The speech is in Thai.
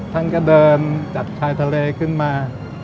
ท่านก็เดินจากชายทะเลขึ้นมา